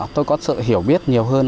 tôi có sự hiểu biết nhiều hơn